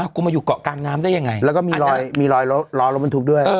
กูมาอยู่เกาะกลางน้ำได้ยังไงแล้วก็มีรอยมีรอยล้อรถบรรทุกด้วย